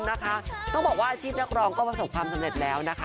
นะคะต้องบอกว่าอาชีพนักร้องก็ประสบความสำเร็จแล้วนะคะ